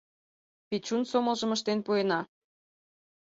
— Печун сомылжым ыштен пуэна.